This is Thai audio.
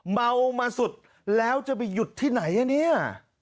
เมามาสุดแล้วจะไปหยุดที่ไหนอ่ะเนี่ย